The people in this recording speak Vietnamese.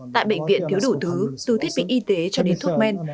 tại bệnh viện thiếu đủ thứ từ thiết bị y tế cho đến thuốc men